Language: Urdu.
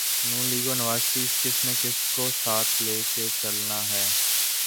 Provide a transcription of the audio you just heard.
نون لیگ اور نوازشریف کس نے کس کو ساتھ لے کے چلنا ہے۔